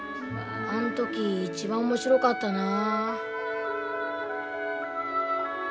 あん時一番面白かったなあ。